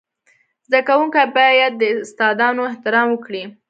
زده کوونکي باید د استادانو احترام وکړي.